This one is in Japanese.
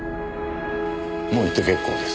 もう行って結構です。